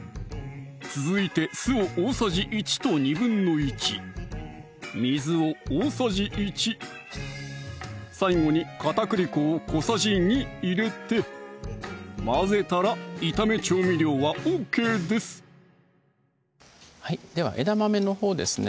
続いて酢を大さじ１と１／２水を大さじ１最後に片栗粉を小さじ２入れて混ぜたら炒め調味料はＯＫですでは枝豆のほうですね